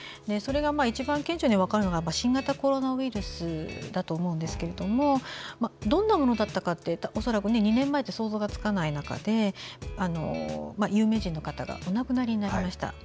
それが一番顕著に分かるのが新型コロナウイルスだと思うんですけれどもどんなものだったかって恐らく２年前って想像がつかない中で有名人の方がお亡くなりになりました。